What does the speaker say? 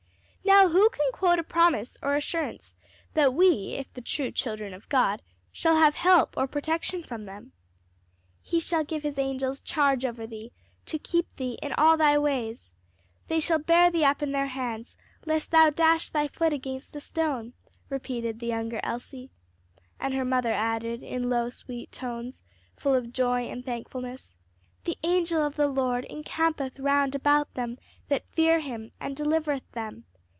"Now who can quote a promise or assurance that we, if the true children of God, shall have help or protection from them?" "'He shall give his angels charge over thee, to keep thee in all thy ways. They shall bear thee up in their hands, lest thou dash thy foot against a stone!'" repeated the younger Elsie, and her mother added in low, sweet tones, full of joy and thankfulness, "'The angel of the Lord encampeth round about them that fear him, and delivereth them.'